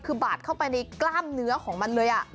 คือบาดเข้าไปในกล้ามเนื้อของมันเลย